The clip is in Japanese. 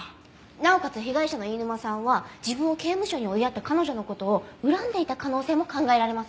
なおかつ被害者の飯沼さんは自分を刑務所に追いやった彼女の事を恨んでいた可能性も考えられます。